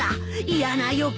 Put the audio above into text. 嫌な予感。